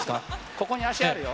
ここに足あるよ。